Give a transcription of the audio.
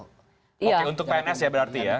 oke untuk pns ya berarti ya